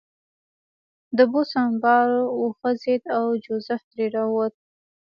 د بوسو انبار وخوځېد او جوزف ترې راووت